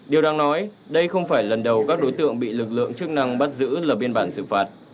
điều đang nói đây không phải lần đầu các đối tượng bị lực lượng chức năng bắt giữ là biên bản xử phạt